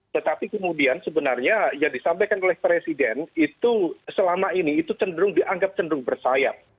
tetapi kemudian sebenarnya yang disampaikan oleh presiden itu selama ini itu cenderung dianggap cenderung bersayap